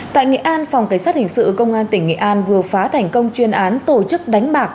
tại nghệ an phòng cảnh sát hình sự công an tỉnh nghệ an vừa phá thành công chuyên án tổ chức đánh bạc